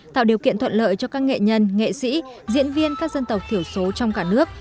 tạo điều kiện thuận lợi cho các nghệ nhân nghệ sĩ diễn viên các dân tộc thiểu số trong cả nước